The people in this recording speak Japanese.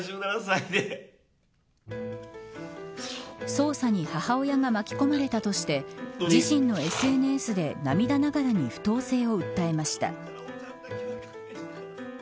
捜査に母親が巻き込まれたとして自身のＳＮＳで涙ながらに不当性を訴えました。